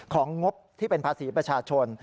งบที่เป็นภาษีประชาชน